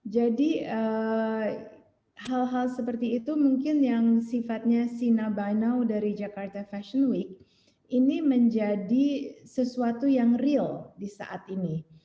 jadi hal hal seperti itu mungkin yang sifatnya si now by now dari jakarta fashion week ini menjadi sesuatu yang real di saat ini